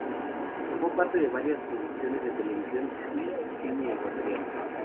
Formó parte de varias producciones de televisión y cine ecuatoriano.